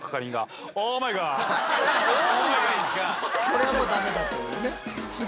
これはもうダメだというね。